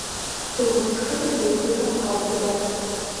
Дыгъужь шырыр езыхэм къаубыдат.